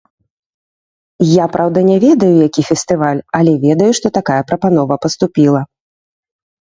Я, праўда, не ведаю, які фестываль, але ведаю, што такая прапанова паступіла.